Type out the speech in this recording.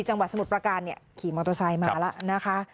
จังหวัดสมุทรประการเนี่ยขี่มอเตอร์ไซค์มาแล้วนะคะ